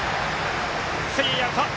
スリーアウト。